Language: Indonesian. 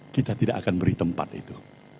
kita tidak akan beri tempat itu